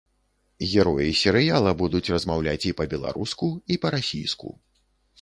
Героі серыяла будуць размаўляць і па-беларуску, і па-расійску.